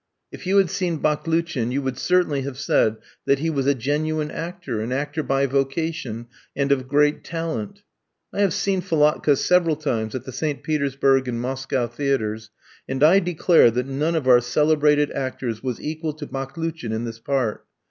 If you had seen Baklouchin you would certainly have said that he was a genuine actor, an actor by vocation, and of great talent. I have seen Philatka several times at the St. Petersburg and Moscow theatres, and I declare that none of our celebrated actors was equal to Baklouchin in this part.